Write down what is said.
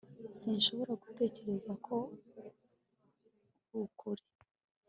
sinshobora gutekereza ko arukuri